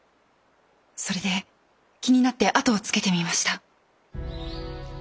それで気になって後をつけてみました。